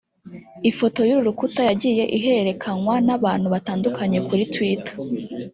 Ifoto y’uru rukuta yagiye iherekanywa n’abantu batandukanye kuri twitter